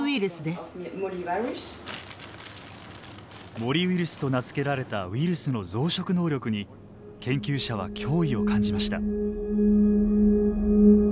モリウイルスと名付けられたウイルスの増殖能力に研究者は脅威を感じました。